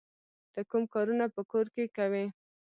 ته کوم کارونه په کور کې کوې؟